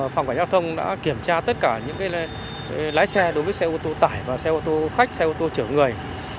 phòng cảnh giao thông đã kiểm tra tất cả những lái xe đối với xe ô tô tải và xe ô tô khách xe ô tô chở người